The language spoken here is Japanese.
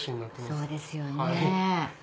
そうですよね。